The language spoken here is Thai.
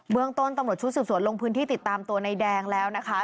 เบื้องต้นต้นหรือจะมีหยุดส่วนลงพื้นที่ติดตามตัวไนดแดงแล้วนะคะ